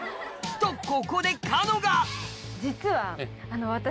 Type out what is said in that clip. とここでかのが実は私。